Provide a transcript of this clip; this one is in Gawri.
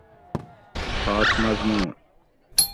خاص مضمون